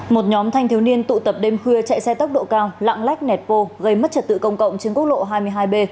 một nhóm thanh thiếu niên tụ tập đêm khuya chạy xe tốc độ cao lạng lách nẹt vô gây mất trật tự công cộng trên quốc lộ hai mươi hai b